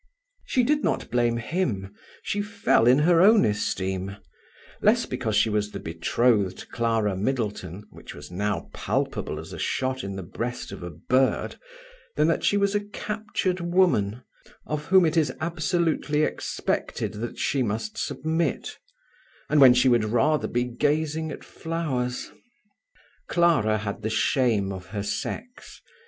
She did not blame him; she fell in her own esteem; less because she was the betrothed Clara Middleton, which was now palpable as a shot in the breast of a bird, than that she was a captured woman, of whom it is absolutely expected that she must submit, and when she would rather be gazing at flowers. Clara had shame of her sex.